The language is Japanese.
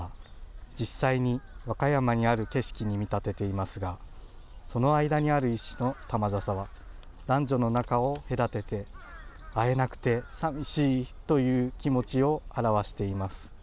実際に、和歌山にある景色に見立てていますがその間にある石の玉笹は男女の仲を隔てて会えなくてさみしいという気持ちを表しています。